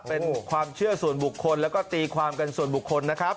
เป็นความเชื่อส่วนบุคคลแล้วก็ตีความกันส่วนบุคคลนะครับ